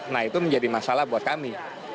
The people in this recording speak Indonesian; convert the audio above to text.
nah itu menjadi masalah buat kami